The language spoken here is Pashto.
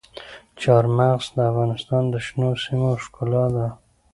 چار مغز د افغانستان د شنو سیمو ښکلا ده.